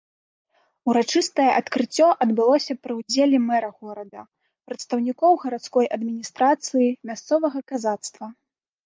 Урачыстае адкрыццё адбылося пры ўдзеле мэра горада, прадстаўнікоў гарадской адміністрацыі, мясцовага казацтва.